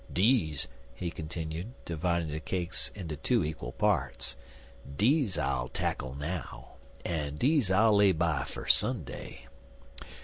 "Deze," he continued, dividing the cakes into two equal parts "dese I'll tackle now, en dese I'll lay by fer Sunday.